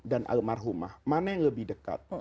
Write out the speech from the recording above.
mana yang lebih dekat